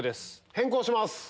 変更します。